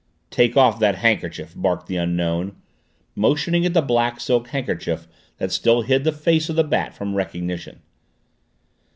"Take off that handkerchief!" barked the Unknown, motioning at the black silk handkerchief that still hid the face of the Bat from recognition.